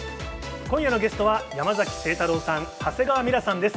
今夜のゲストは、山崎晴太郎さん、長谷川ミラさんです。